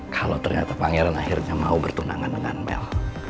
kalau ternyata pangeran akhirnya mau bertunangan dengan mel